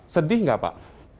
sedih nggak pak